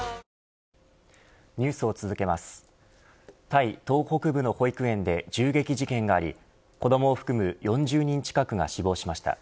タイ東北部の保育園で銃撃事件があり子ども含む４０人近くが死亡しました。